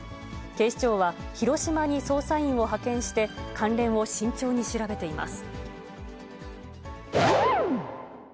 警視庁は、広島に捜査員を派遣して、関連を慎重に調べています。